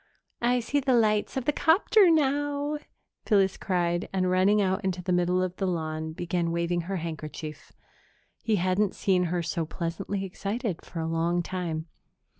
"I see the lights of the 'copter now!" Phyllis cried and, running out into the middle of the lawn, began waving her handkerchief. He hadn't seen her so pleasantly excited for a long time.